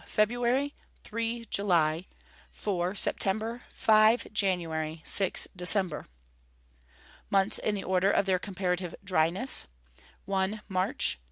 February. 3. July. 4. September. 5. January. 6. December. Months in the order of their comparative dryness: 1. March. 2.